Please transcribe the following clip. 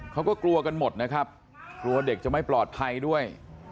เขาก็กลัวกันหมดนะครับกลัวเด็กจะไม่ปลอดภัยด้วย